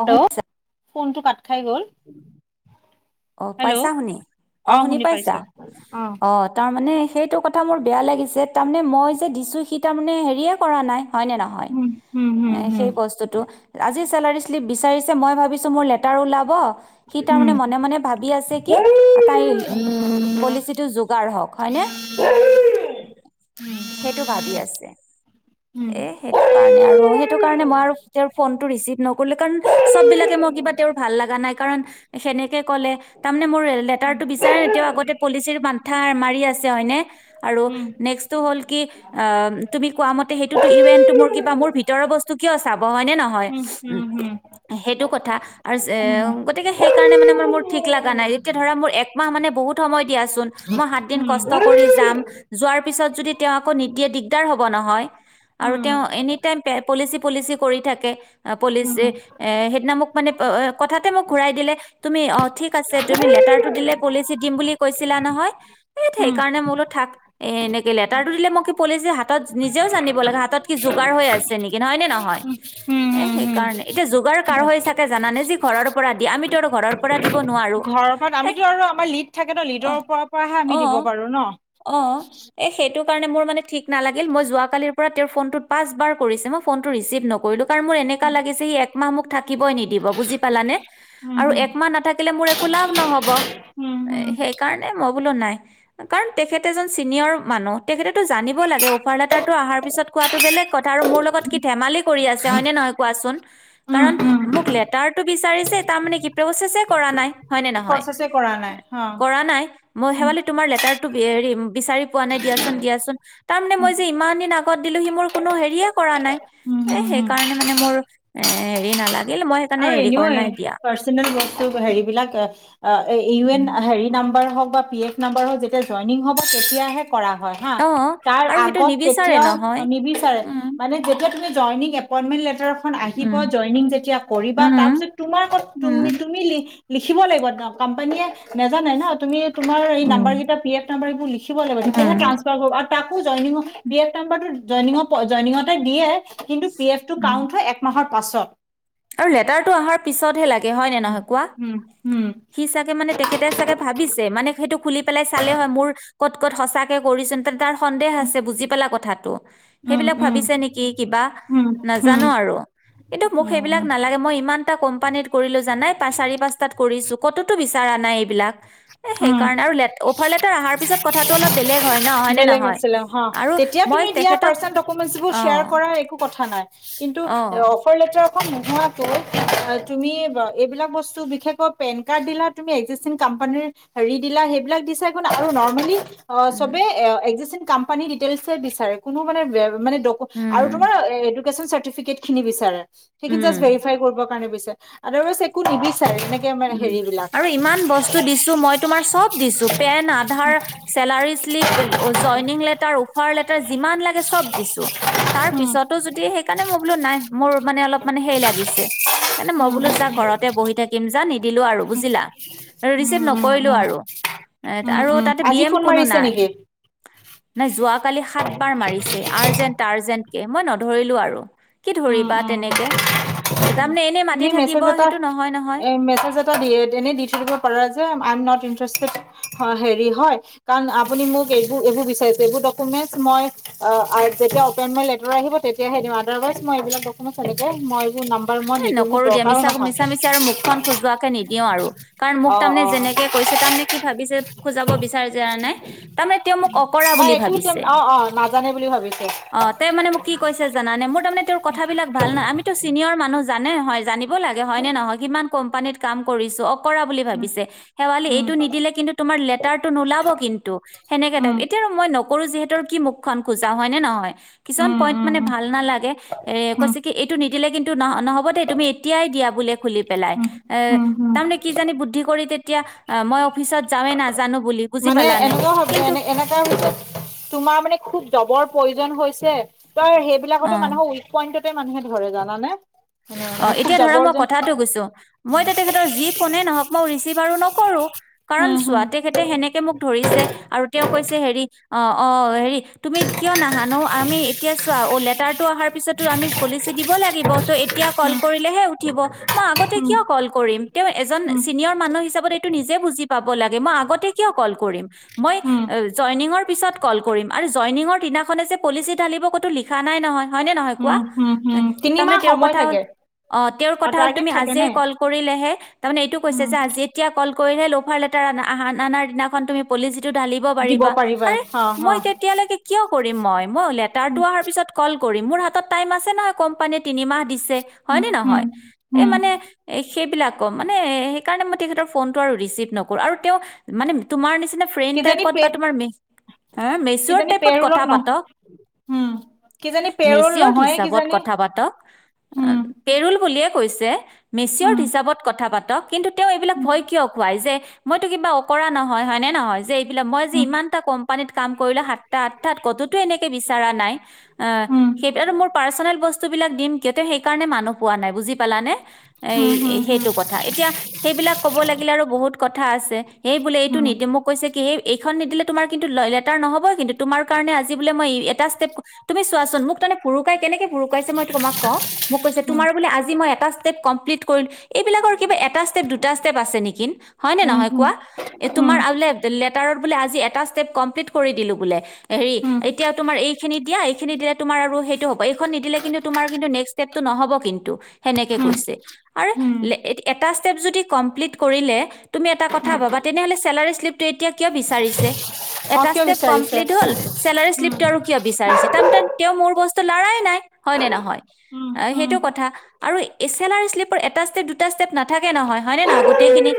অ hello শুনিছা ফোনটো পাত খাই গ'ল। অ হেল্ল' পাইছা শুনি অ শুনি পাইছা অ ত তাৰ মানে সেইটো কথা মোৰ বেয়া লাগিছে তাৰমানে মই যে দিছোঁ সি তাৰমানে হেৰিয়ে কৰা নাই। হয় ন নহয় উম উম হুম হুম সেই বস্তুতটো আজি চেলাৰী শ্লিপ বি ম ভ মই লেটাৰ ওলা সি তাৰ উম মানে মনে মনে [inaudible] সেইটো ভাবি আছে এ সেইটো উম উম কাৰণে আৰু সেইটো কাৰণে মই আৰু তেওঁৰ ফোনটো ৰিচিভ নকৰৰিলো কাৰণ চব বিলাকে মই কিবা তেওঁৰ ভাল লগা নাই। নে ক লেটাৰ টো বিচাৰে তেওঁ আগতে পলিচি ৰ মাথা মাৰি আছে হয় নে? অ তুমি কোৱা মতে সটোো ই কিবা মোৰ ভিতৰৰ বস্তু কিয় চাব? হয় নে নহয়, উম সেইটো কথা উম আৰু গতিকে সেইকাৰণে মানে ম মোৰ ঠিক লগা নাই যেতিয়া ধৰা মোৰ একমাহ মানে বহুত- সময় দিয়াচোন, মই সাত দিন কষ্ট কৰি যাম, যোৱাৰ পিছত যদি তেওঁ আকৌ নিদিয়ে দিগদাৰ হব নহয়, আৰু তেওঁ এনিটাইম পে পলচি পলিচি কৰি থাকে পলিচি এ সেইদিনা মোক মানে কথাতে মোক ঘূৰাই দিলে তুমি অ ঠিক আছে তুমি লেটাৰটো দিলে পলিচি দিম বুলি কৈছিলা নহয়, এ উম সেইকাৰণে মোলো থাক এ এনে দিলে তাৰটো দিলে মই কি পলিচি হাতত নিজেও জানিব লাগে হাতত কি যোগাৰ হৈ আছে নেকি হয় নে নহয়, উম এ সেইকাৰণে, এতিয়া যোগাৰ কাৰ উম হৈ চাগে যানানে যি ঘৰৰ পৰা দিয়ে আমি তেওঁৰ ঘৰৰ পৰা দিব নোৱাৰো ঘৰৰ পৰা এহ আমিতো আৰু আমাৰ লিড থাকে ন লিডৰ ওপৰৰ পৰাহে অ অ আমি দিব পাৰো ন। অ এই সেইটো কাৰণে মোৰ মানে ঠিক নালাগিল মই যোৱাকালিৰ পৰা তেওঁৰ ফোনটোত পাঁচবাৰ কৰিছে মই ফোনটো ৰিচিভ নকৰিলোঁ। কাৰণ মোৰ এনেকা লাগিছে সি এক মুখ থাকে কিবই নিদিব বুজি পালানে, উম আৰু হম এক মাহ নাথাকিলে মোৰ একো লাভ নহব, উম এ হম সেইকাৰণে ম বুলো নাই কাৰণ তেখেতে এজন ছিনিয়ৰ মানুহ তেখেতেতো জানিব লাগে অফাৰ এটাৰ অহাৰ পিছত কোৱাটো বেলেগ কথা আৰু মোৰ লগত কি ধেমালি কৰি আছে, হয়নে নহয় কোৱাচোন? উম কাৰণ উম মোক লেটাৰটো বিচাৰিছে তাৰ মানে কি প্ৰচেছে কৰা নাই। হয় নে নহয়, প্ৰচেছে কৰা নাই অ কৰা নাই মই উম হেৱালি তোমাৰ লেটাৰ টোক এৰিম, বিচাৰি পোৱা নাই দিয়াচোন দিয়াচোন, তাৰ মানে উম মই যে ইমান দিন আগত দিলো সি মোৰ কোনো হেৰিয়ে কৰা নাই উম এ হম হম সেইকাৰণে মানে মোৰ এ হেৰি নালাগে আৰু এনেও পাৰ্চনেল বস্তু হেৰিবিলাক অ এ ইভেন উম। হেৰি না নাম্বাৰ হওক বা পি এফ নাম্বাৰ হওক যেতিয়া জইনিং হ'ব তেতিয়াহে কৰা হয় হা, অ তাৰ আৰু সেইটো আগত নিবিচাৰে কেতিয়াও নহয় নিবিচাৰে, উম মানে যেতিয়া তুমি যইনিং এপইনমেণ্ট লে টাৰখন আহিব উম জয়নিং যেতিয়া কৰিবা উম, তাৰপিছত তোমাৰ ক তুম উম, তুমি লিখিব লাগিব ন কোম্পানীয়ে নাজানাই ন তুমি তোমাৰ এই উম, নাম্বাৰ কেইটা পি এফ নাম্বাৰ এইবোৰ লিখিব লাগিব, তেতিয়াহে উম, ট্ৰাঞ্চফাৰ কৰিব আৰু তাকো জইনিং পি এফ নাম্বাৰটো জইনিঙ প জইনিঙতে দিয়ে কিন্তু পি এফ টো উম। কাউণ্ট হয় একমাহৰ পাছত আৰু লেটাৰটো অহাৰ পিছতহে লাগে হয় নে নহয় কোৱা, সি চাগে মানে তেখেতে চাগে ভাবিছে মানে সেটো পেলাই চালে হয় মোৰ ক'ত ক'ত সঁচাকে কৰিছে তাৰ সন্দেহ আছে বুজি পালা কথাটো সেইবিলাক ভাবিছে নেকি কিবা নেজানো আৰু কিন্তু মোক সেইবিলাক নালাগে মই ইমান এটা কোম্পানীত কৰি লৈ জানাই পা চাৰি পাঁচটাত কৰিছোঁ ক'তটো বিচ চাৰা নাই এইবিলাক এ সেই কাৰণে আৰু লে অফাৰ লেটাৰ আহাৰ পিছত কথাটো অলপ বেলেগ হয় ন হয়নে বেলেগ নহয়? আছিলে অ আৰু তেতিয়া মই তুমি দিয়া তেখেতক পাৰ্চনেল ডকমেন্টচবোৰ শ্বেয়াৰ অ', কৰা একো কথা নাই কিন্তু অ অফাৰ লেটাৰ নোহোৱাকৈ আ তুমি আ এইবিলাক বস্তু বিশেষকৈ পেন কাৰ্ড দিলা, তুমি একজিচটিং কম্পানীৰ হেৰী দিলা সেইবিলাক দিছা একো ডাঙৰো নহয় নৰ্মেলি উম। চবে একজিচটিং কাম্পানী ডিটেইলছে বিচাৰে কোনো মানে বে মানে ডক আৰু তোমাৰ উম, এইটো চাৰ্টিফিকেট খিনি বিচাৰে সেইখিনি উম, জাষ্ট ভেৰিফাই কৰিব কাৰণে বিচাৰে আদাৰ ৱাইচ একো নিবি উম আৰু ইমান বস্তু দিছোঁ মই তোমাৰ চব দিছো pen, Aadhaar, salary slip joining letter offer letter যিমান লাগে চব দিছোঁ তাৰ উম পিছতো যদি সেইকাৰণে মই বোলো নাই মোৰ মানে অলপ মানে হে লাগিছে সেইকাৰণে মই উম উম বোলো যা ঘৰতে বহি থাকিম যা নি নিদিলো আৰু বুজিলা, আৰু ৰিচিভ উম উম নকৰিলোঁ উম আৰু, উম, আৰু উম, তাতে বি আজি এম ফোন কোনো মাৰিছে নাই। নেকি? মানে যোৱা কালি সাতবাৰ মাৰিছে আৰজেণ্ট আৰজেণ্ট তাকে মই নধৰিলোঁ আৰু কি উম, ধৰিবা উম, তেনেকে তাৰমানে এনে তুমি মাতি থাকিব মেছেজ এটা সেইটো নহয় নহয় এ মেছেজ এনেই দি থৈ দিব পাৰা যে আই এম নট ইণ্টেৰেষ্টেদ হ হেৰি হয় কাৰণ আপুনি মোক এইবোৰ এইবোৰ বিচাৰিছে এইবোৰ ডকুমেন্টচ মই আ আ যেতিয়া এপইনমেণ্ট লেটাৰ আহিব তেতিয়াহে দিম। আধাৰ কাৰ্ড মই এইবিলাক ডকমেণ্টচ এনেকে মই এইবোৰ নাম এ নকৰোঁ দিয়া মিছা মিছা মিছা আৰু মুখখন খোজোৱাকে নিদিওঁ আৰু কাৰণ মোক অ', তামানে অ', যেনেকে কৈছে তামানে কি ভাবিছে খোজাব বিচাৰে জানানে তাৰমানে তেওঁ মোক অকৰা বা বুলি একো ভাবিছে অ', অ', নাজানে বুলি ভাবিছে। অ তেওঁ মানে মোক কি কৈছে জানানে মোৰ তাৰমানে তেওঁৰ কথাবিলাক ভাল নাই আমিতো চিনিয়ৰ মানুহ জানে হয় জানিব। লাগে হয় নে নহয় কিমান কোম্পানীত কাম কৰিছো অ' কৰা বুলি উম, ভাবিছে, শেৱালি এই উম, টো নিদিলে তোমাৰ লেতাৰটো নোলাব কিন্তু, ‌সেনেকা টাইপ উম, এতিয়া মই কৰু-যিহেতৰ কি মুখ খন খোজা হয় নে নহয়? কিছুমান উম, পইন্ট উম, মানে উম, ভাল নালাগে এ উম, কৈছে কি এইটো নি দিলে কিন্তু ন- ন-নহয় হবদে তুমি এতিয়াই দিয়া বুলে খুলি পেলাই উম, এ, উম, উম। তাৰমানে কি জানি বুদ্ধি কৰি তেতিয়া অ' মই অফিচত যাৱে নাজানো বুলি বুজি মানে পালানে এনেকুৱা কিন্তু এ এনেকা হৈছে তোমাৰ মানে খুব জবৰ প্ৰয়োজন জন হৈছে ত' সেইবিলাকতো অ মানুহৰ উইক পইণ্টত- ত' মানুহে ধৰে জানেনে অ'এতিয়া ধৰা মই কথাটো কৈছো মইতে তেখেতৰ যি ফোনে নহক মই ৰিচিভ আৰু নকৰো কাৰণ হম হম চোৱা তেখেতে সেনেকে মোক ধৰিছে আৰু তেওঁক কৈছে হেৰি অ'- অ' হেৰি তুমি কিয় নাহানো আমি এতিয়া চোৱা অ লেটাৰটো অহাৰ পিছতো আমি পলিচি দিব লাগিব ত' এতিয়া কল কৰিলেহে উঠিব, মই আগতে হম কিয় কল কৰিম। তেওঁ এজন হম উম চিনিয়ৰ মানুহ হিচাপত এইটো নিজেও বুজি পাব লাগে। মই আগতে কিয় কল কৰিম, মই উম জইনিংৰ পিছত কল কৰিম, আৰু জইনিংৰ দিনাখনে যে পলিচি ঢালিব কতো লিখা নাই নহয় হয়নে নহয় কোৱা উম- হম-হুম তাৰমানে তিনিমাহ তেওঁৰ সময় থাকে অ' তেওঁৰ আৰু কথা হ'ল টাৰ্গেট তুমি থাকে নে আজিয়েই কল কৰিলেহে তাৰমানে এইটো কৈছে উম যে আজি এতিয়া কল কৰিলে অফাৰ লেটাৰ আনাৰ দিনাখন তুমি পলিচি ঢালিব দিব পাৰিবা আৰে অ অ মই তেতিয়ালৈকে কিয় কৰিম মই, মই লেটাৰটো উম অহা পিছত কল কৰিম মোৰ হাতত টাইম আছে ন কোম্পানী তিনিমাহ হয় উম নে উম নহয় এই উম মানে সেইবিলাক মানে সেইকাৰণে মই তেখেতৰ ফোনটো আৰু ৰিচিভ নকৰো আৰু তেওঁ মানে তোমাৰ নিচিনা ফ্ৰেণ্ড কিজানি টাইপত পে বা তোমাৰ মে হ মেচিয়ৰড কিজানি টাইপত পেৰুলত কথা নহ পাতক, উম কিজানি পেৰুল মেচিয়ৰড নহয়ে হিচাপত কিজানি কথা পাতক। অ উম পে'ৰুল বুলিয়ে কৈছে। মেচিয়ৰ উম হিচাপত কথা পাতা। কিন্তু তেওঁ এইবিলাক উম ভয় কিয় খোৱাই যে মইতো কিবা অকৰা নহয় হয় নে নহয় যে। বোলে মই যে উম ইমান কিটা কোম্পানী কাম কৰিলো তাত তো কেতিয়াই বিচৰা নাই। উম সেই কাৰণে মানুহ পোৱা নাই বুজি পালা নে অ এই সেইটো কথা এতিয়া সেইবিলাক ক'ব লাগিলে আৰু বহুত কথা আছে এইেই বোলে এইটো নিদি মোক কৈছে? স এইখন নিদিলে তোমাৰ কিন্তু লেটাৰ নহব কিন্তু তোমাৰ কাৰণে আজি বোলে মই এটা ষ্টেপ। তুমি চোৱাচোন মোক তনেেুৰুকাই কেনেকেুৰুকাইছে মইোমাক? মই কৈ তোমাৰ বোলে আজি। মই এটা ষ্টেপ কমপ্লিট কৰিল এইবিলাকৰ কিবা এটা ষ্টেপ দুটা ষ্টেপ আছে নেকি? হয় নে নহয় কোৱা এ তোমাৰ আৰু। কিয় এটা কম্লিট কৰি দিলো বোলে। হেৰি এতিয়া তোমাৰ এই খিনি দিয়া। সখিন দিলে তোমাৰ সেইটো হ'ব। এইখন নিদে কিন্তুমাৰ। টো নহ'ব কিন্তু। সেনেকে কৈছে আৰু এটা। চভ জদি কম্পিলেট কৰিলে তোমি এটা কথা ভাবা ছোন তেনেহলে চেলেৰেচ তো কিয় বিচাৰিছে? এটা ষ্টেপ বিচাৰিছে কমপ্লিট হল চেলাৰী উম শ্লিপ আৰু কিয় বিচাৰিাৰ মোৰ বস। লৰাই নাই। হয় নে নহয়। উম অ উম সেইটো কথা। আৰু এ এল আৰ শ্লিপৰ এটা ষ্টেপ দুটা ষ্টেপ নাথাকে নহয় হয়নে নহয় গোটেইখিনি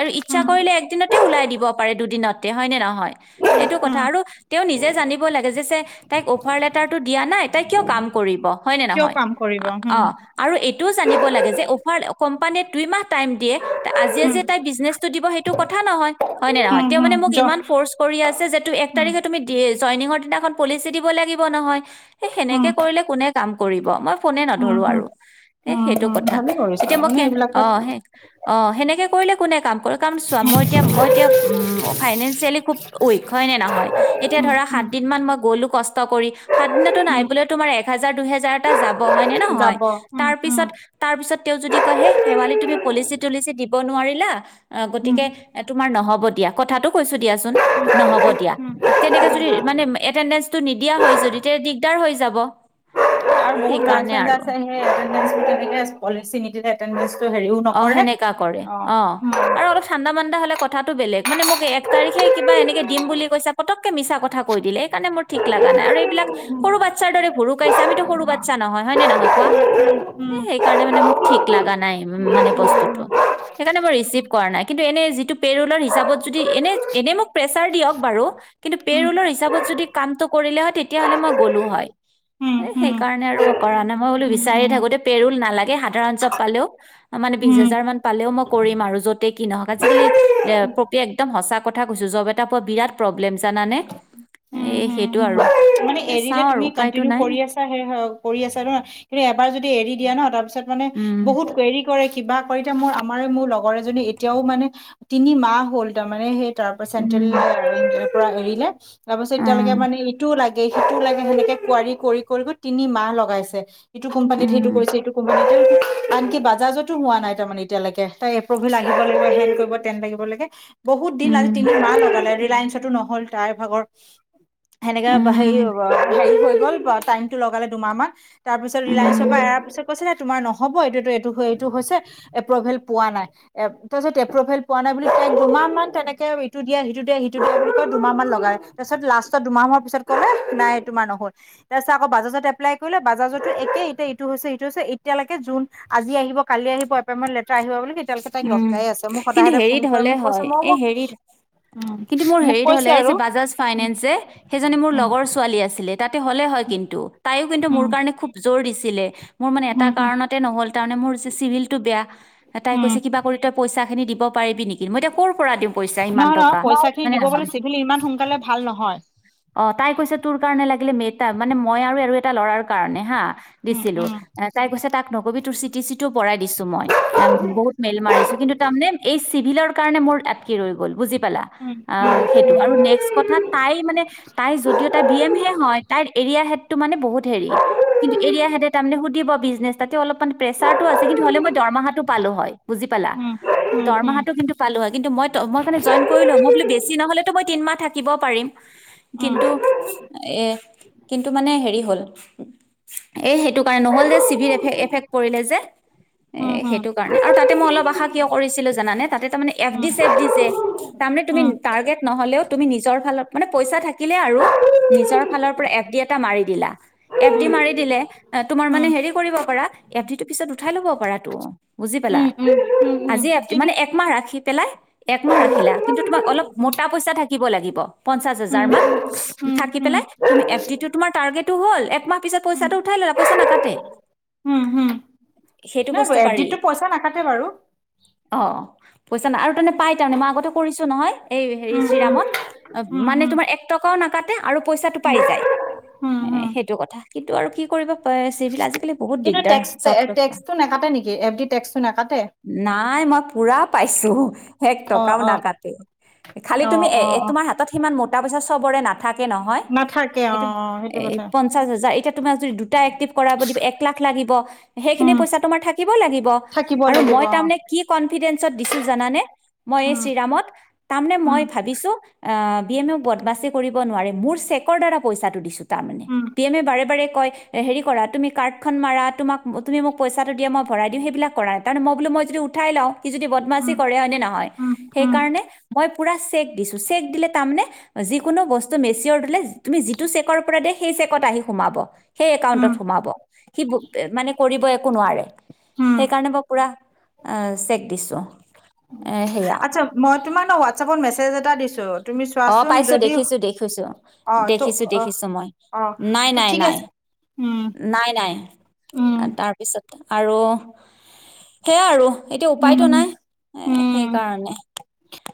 আৰু ইচ্ছা উম কৰিলে একদিনতে ওলাই দিব পাৰে দুদিনতে হয়নে নহয় এইটো কথা উম আৰু তেওঁ নিজে জানিব লাগে যে তাইক অফাৰ লেটাৰটো দিয়া নাই তাই কিয় কাম কৰিব। হয়নে কিয় নহয়। কাম কৰিব অ হম আৰু এইটোও জানিব লাগে যে অফাৰ। কোম্পানীয়ে দুই মাহ টাইম দিয়ে? আজি আ হম যে তাই বিজনেছ। দিব সেইটো কথা নহয় হয় নে নহয়। হম এতিয়া হম মানে ম জ ইমান ফ'ৰ্চ কৰি আছে যে তটো এক উম তাৰিখে তুমি দি। জৈনিঙদিনা দিব লাগিব নহয় তেনেকে উম কৰিলে নো কোনে কাম কৰিব? ফোনে উম নধৰোঁ হম আৰু এই উম সেইটো? হম কথা ভালে কৰিছে এতিয়া মই মানে কে অ এইবিলাকত স অ সেনেকে। কৰিলে কোনে কাম কৰে। কাৰণ চোৱা মই এতিয়া মই এতিয়া অম ফাইনেনছ্ চেলিকোপ ঐ হয় নে নহয় এতিয়া উম ধৰা উম সাতদিনীয়া মই গৈ লো কষ্ট কৰি সাতদিনৰ নাই উম বোলে এহাজাৰ দুহেজাৰ টা যাব ব হয় নে নহয় যাব উম উম তাৰপিছত তাৰপিছত তেওঁ যদি কয় হে শেৱালি তুমি পলিচি তলিচি দিব নোৱাৰিলা উম গতিকে তোমাৰ নহব দিয়া কথাটো কৈছো দিয়াচোন নহব দিয়া উম তেনেকে যদি মানে এটানেছটো নিদিয়া হয় যদি তে দিগদাৰ হৈ যাব সেইকাৰণে লাইচেঞ্চ আৰু আছে সি এটেনডেঞ্ছ নিদিপিনে পলিচি নিদিলে তেননেচ অ সেনেকা কৰে অ অ আৰ অলপ ঠান্দা মান্দা হলে ক কথাটো বেলেগ মানে মোক এক তাৰিখে কিবা এনেকে দিম বুলি কৈছে পটকে মিছা কথা কৈ দিলে এইকাৰণে মোৰ ঠিক লাগা নাই আৰু এইবিলাক সৰু বাচ্ছাৰ দৰে ভুৰুকাইছে আমিতো সৰু বাচ্ছা নহয় হয় নে নহয় কোৱা এ উম, সেইকাৰণে মানে মোক ঠিক লাগা নাই উম মানে বস্তুটো সেইকাৰণে মই ৰিচিভ কৰা নাই কিন্তু এনে যিটো পে ৰোলৰ হিচাপত যদি এনে এনে মোক প্ৰেচাৰ দিয়ক বাৰু কিন্তু পে উম, ৰোলৰ হিচাপত যদি কামটো কৰিলে হয় তেতিয়াহলে মই গ'লো হয় উম, এ উম, উম, সেই কাৰণে আৰু কৰা নাই মই বোলো বিচাৰিয়ে উম, থাকোতে পে ৰোল নালাগে সাধাৰণ জব পালেও এ মানে বিশ উম, হাজাৰ মান পালেও মই কৰিম আৰু যতে কি নহওক আজিকালি উম, ক কে একদম সঁচা কথা কৈছো জব এটা পোৱা বিৰাট প্ৰব্লেম জানানে উম, এ হুম, সেইটো হুম, আৰু মানে এ এৰিলে চাওঁ আৰু তুমি উপায়তো কণ্টিনিউ নাই কৰি আছা হে কৰি আছা ন কিন্তু এবাৰ যদি এৰি দিয়া ন তাৰপিছত মানে উম বহুত হেৰি কৰে কিবা কৰিতে মোৰ আমাৰ মোৰ লগৰ এজনী এতিয়াও মানে তিনি মাহ হ'ল তাৰমানে সেই তা পা উম চেণ্ট্ৰেলৰ পৰা এৰিলে তাৰ পিছত এতিয়ালৈকে উম মানে এইটো লাগে তে সেইটো লাগে সেনেকে কুৱাৰি কৰি কৰি তিনি মাহ লগাইছে ইটো কোম্পানীত সেইটো উম কৰিছে এইটো কোম্পানীত আনকি বাজাজতো হোৱা নাই তাৰমানে এতিয়ালেকে তাই এপ্ৰুভু আহিব লাগিব লাগে হেন কৰিব তেন লাগিব লাগে বহুত দিন আজি উম তিনি মাহ লগালে ৰিলাইনছতো নহ'ল তাইৰ ভাগৰ উম হে হৈ গল বা টাইমটো লগালে দুমাহমান তা পিছত ৰিলায়েছৰ পৰা উম এয়াৰ পিছ কৈছে তোমাৰ নহব এইটোত এ এইটো হয় এইটো হৈছে এপ্ৰুভেল পোৱা নাই এ তাৰ পিছত এপ্ৰুভেল পোৱা নাই বুলি তাইক দুমাহ মান তেনেকে ইটো দিয়া সিটো দিয়া সিটো দিয়া বুলি কয় দুমাহ মান লগাই তাৰপিছত লাষ্টত দুমাহ মানৰ পিছত কলে নাই তোমাৰ নহল তা--ছত আকৌ বাজাজত এপ্লাই কৰিলে বাজাজতো একেই এতিয়া ইটো হৈছে হিটো হৈছে এতিয়ালৈকে জুন আজি আহিব কালি আহিব এপইনমেন্ট লে উম কিন্তু সদায় ফোন হেৰিত কৰে হলে মোক কৈছে হয় মই এ মোক হেৰিত উম, কিন্তু মোৰ মোক হেৰিত হল কৈছে এই আৰু যে বাজাজ ফাইনেছ যে সেইজনী মোৰ উম ল উম গৰ ছোৱালী আছিলে তাতে হ'লে হয় কিন্তু তাইও কিন্তু মোৰ উম কাৰণে খুব জোৰ দিছিলে [unintelligible] মোৰ মানে এটা হম হম কাৰণতে নহ'ল তাৰে মোৰ চিভিলটো বেয়া। তাই উম কৈছে কিবা কৰি তই পইচা। খিনি দিব। [inaudible] নহয় নহয় পইচা খিনি দিব বোলে চিভিল ইমান সোনকালে ভাল নহয় তাৰ মানে মই আৰু এটা ল'ৰাৰ কাৰণে হা। উম দিছিলো উম তাই কৈছে তাক। নকবি তোৰ চিটি চিটো। পৰাই দিছোঁ মই। বহুত মেল মাৰিছো কিন্তু তাৰমানে এই। চিভিলৰ কাৰণে মোৰ। হৈ গল বুজি পালা, আহ সেইটো আৰু নেক্স কথা তাই মানে তাই যদিও তাই বি এম হে হয় তাইৰ এৰিয়া। তো মানে বহুত সেৰি কিন্তু এয়াৰে সুধিব বিজনেছ তাতে চলপ মান পেচাৰ তো আছে হলেও মই। পালো হয়, বুজি পালা উম দৰমাহো উম কিন্তু পালো হয়, মই মানে জইন কৰিলো মই বোলো বেছি নহলেতো মই তিনমাহ থাকিব পাৰিম উম কিন্তু এ কিন্তু মানে হেৰি। এই সেইটো কাৰণে নহ'ল যে। এফ এফেক্ট পৰিলে যে উম উম উম এ। হম সেইটো কাৰণে আৰু তাতে মই, অলপ আশা কিয় কৰিছিলো জানে? তাতে তাৰ মানে এফ ডি চেফ ডি যে তাৰমানে তুমি উম উম উম উম টাৰ্গেট নহলেও তুমি নিজৰ ফালত মানে পইচা থাকিলে আৰু নিজৰ ফালৰ পৰা এফ ডি এটা মাৰি দিলা এফ ডি মাৰি দিলে তোমাৰ মানে উম হেৰি কৰিব পাৰা এফ ডি তটো পিছত উঠাই লব পাৰা তো। বুজি পালা, উম উম উম আজি কিন্তু মানে একমাহ ৰাখি। পেলাই। এক মমাহ ৰাখিলা কিন্তু তোমাক অলপ মোটা পইচা থাকে। থাকিব লাগিব। পঞ্চাশ উম হাজাৰ মান, উম থাকি উম পেলাই তুমি এফটি তোমাৰ টাৰ্গেটো হল একমাহ পিছত উম পইচাটো উঠাই ললা পইচা নাকাটে উম উম সেইটো নাই বস্তু এফ পাৰি। ডিতটো পইচা নাাকাটে বাৰু। অ পইচা নাই আৰু তনে পাই তাৰমানে মই আগতে কৰিছো নহয়। এই হেৰি উম চিৰামত, উম অ মানে উম তোমাৰ এক টকাও নাকাটে। আৰু। পইচাটো উম উম পাই যায়, উম এ উম সেইটো কথা। কিন্তু আৰু কি কৰিব। প- চিভিল আজিকালি বহুত কিন্তু দিগদাৰ জবটো পোৱা টেক্সটো নেখাটে নেকি এফ ডি টেক্স। নাই মই পুৰা পাইছো, এক অ টকাও অ নাকাটে, খালি অ তুমি এ অ এ অ তোমাৰ হাতত স। মতটা পইচা চবৰে না [unintelligible] থাকে নহয় নাথাকে অ এইটো অ সেইটো এ কথা পঞ্চাশ হাজাৰ এতিয়া তোমাক য দুটা এক্টিভ কৰাব দিব এক লাখ লাগিব সেইখিনি উম পইচা তোমাৰ থাকিব লাগিব। থাকিব [unintelligible] দিব লাগিব অ নোৱাৰিম উম উম মোৰ চেকৰ দাৰা পইচাটো দিছো। তাৰমানে উম পি এম এ বাৰে বাৰে কয় হেৰি কৰা তুমি কাৰ্ডখনন মাৰা তোাক তুমি মোক পইচাটো দিয়া মই ভৰাই দিওঁ সেইবিলাক কৰা নাই তাৰ মই বো মই যদি উঠাই লওঁ স যদি বদমাচি উম কৰে হয়নে নহয় উম উম সেইকাৰণে মই পুৰা চেক দিছ চেক দিলে তাৰমানে আজি যিকোনো বস্তু মেচিৰ দিলে তুমি যিটো চেকৰ পৰা দা সেই চেকত আহি সোমাব সেই উম একাউণ্টত সোমাব [unintelligible] মানে কৰিব একো নোৱাৰে উম সেইকাৰণে মই পুৰা এ চেক দিছো এ সেয়া আচ্ছা ত অ পাইছো দেখিছো দেখিছো অ ত দেখিছো অ দেখিছো মই অ নাই ত নাই ঠিক নাই আছে উম নাই নাই উম তাৰপিছত আৰু সেয়া আৰু এতিয়া উম উপায়তটো নাই সেই উম কাৰণে